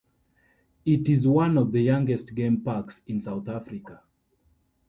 It is one of the youngest game parks in South Africa.